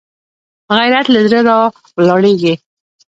غیرت له زړه راولاړېږي